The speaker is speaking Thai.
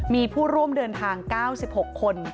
มีผู้ร่วมเดินทาง๙๖คน